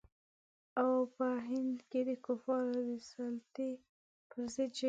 او په هند کې د کفارو د سلطې پر ضد جنګیږي.